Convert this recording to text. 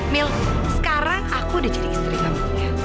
mil sekarang aku udah jadi istri kamu